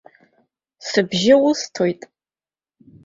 Сыбжьы усҭоит.